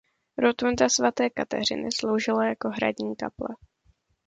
Rotunda svaté Kateřiny sloužila jako hradní kaple.